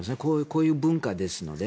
こういう文化ですので。